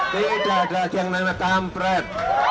tidak ada lagi yang namanya kampret